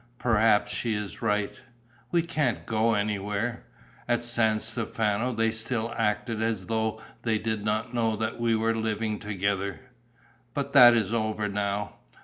Perhaps she is right. We can't go anywhere. At San Stefano they still acted as though they did not know that we were living together; but that is over now."